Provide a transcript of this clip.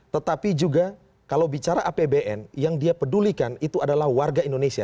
tetapi juga kalau bicara apbn yang dia pedulikan itu adalah warga indonesia